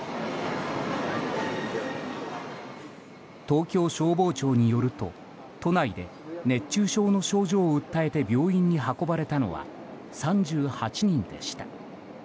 東京消防庁によると都内で熱中症の症状を訴えて病院に運ばれたのは３８人でした。